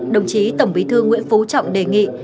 đồng chí tổng bí thư nguyễn phú trọng đề nghị